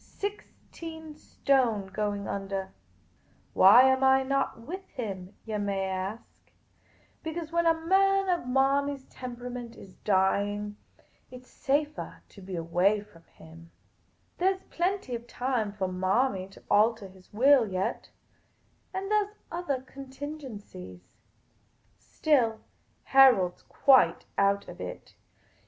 Sixteen stone going under. Why am I not with him ? yah may ask. Because, when a d The Pea Green Patrician 231 man of Marmy's temperament is dying, it 's safah to be away from him. There 's plenty of time for Marmy to altah his will yet — and there are othah contingencies. Still, Harold 's quite out of it.